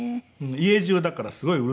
家中だからすごいうるさいです。